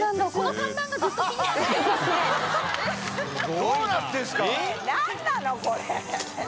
どうなってるんですか？